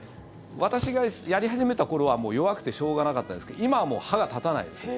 私がやり始めた頃は弱くてしょうがなかったですけど今はもう歯が立たないです。